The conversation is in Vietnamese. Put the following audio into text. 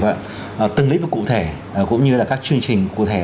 vâng từng lý vụ cụ thể cũng như là các chương trình cụ thể